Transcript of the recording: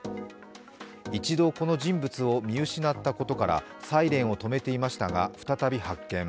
一度この人物を見失ったことからサイレンを止めていましたが再び発見。